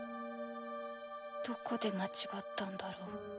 どこで間違ったんだろう。